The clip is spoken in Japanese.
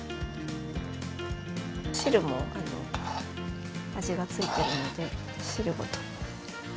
汁も味がついてるので汁ごと。